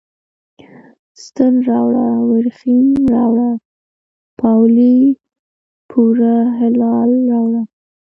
ستن راوړه، وریښم راوړه، پاولي پوره هلال راوړه